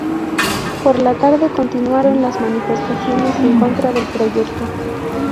Por la tarde continuaron las manifestaciones en contra del proyecto.